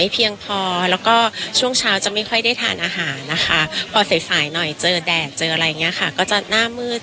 พอใส่สายหน่อยเจอแดดเจออะไรอย่างงี้ค่ะก็จะหน้ามืด